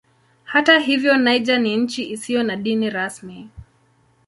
Hata hivyo Niger ni nchi isiyo na dini rasmi.